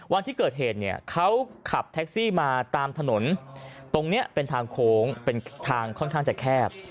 วันที่เกิดเหตุเนี่ยเขาขับแท็กซี่มาตามถนนตรงนี้เป็นทางโค้งเป็นทางค่อนข้างจะแคบ